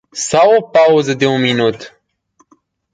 Sau o pauză de un minut?